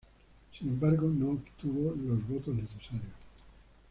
Sin embargo, no obtuvo los votos necesarios.